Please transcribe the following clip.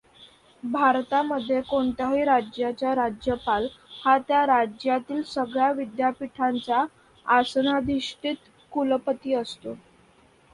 भारतामध्ये कोणत्याही राज्याचा राज्यपाल हा त्या राज्यातील सगळ्या विद्यापीठांचा आसनाधिष्ठीत कुलपती असतो.